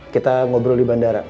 kita ngobrol di bandara